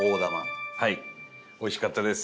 伊達：おいしかったです。